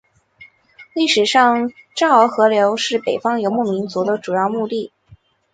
历史上洮儿河流域是北方游牧民族的主要牧地。